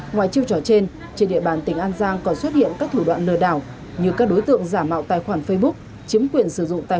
ngoài chiêu trò trên trên địa bàn tỉnh an giang còn xuất hiện các thủ đoạn lừa đảo như các đối tượng giả mạo tài khoản facebook